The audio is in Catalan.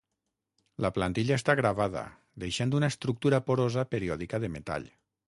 La plantilla està gravada, deixant una estructura porosa periòdica de metall.